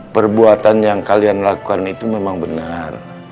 perbuatan yang kalian lakukan itu memang benar